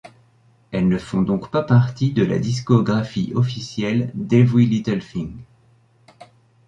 Elles ne font donc pas partie de la discographie officielle d'Every Little Thing.